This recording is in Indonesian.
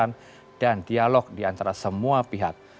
asean telah mencari kekerasan dan dialog di antara semua pihak